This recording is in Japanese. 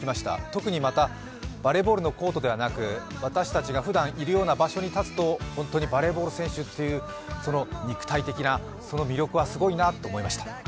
特にまた、バレーコートではなく私たちがふだんいるような場所に立つと、バレーボール選手という肉体的な魅力はすごいなと思いました。